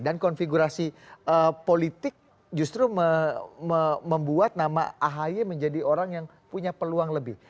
dan konfigurasi politik justru membuat nama ahy menjadi orang yang punya peluang lebih